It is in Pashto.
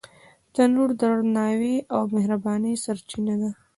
تنور د درناوي او مهربانۍ سرچینه ده